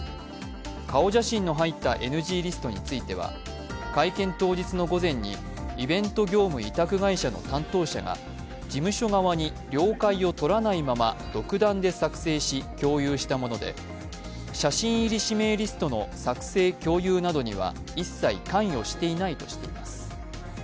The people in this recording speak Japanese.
顔写真の入ったＮＧリストについては会見当日の午前に、イベント業務委託会社の担当者が事務所側に了解をとらないまま独断で作成し共有したもので写真入り指名リストの作成・共有などには一切関与していないとしています。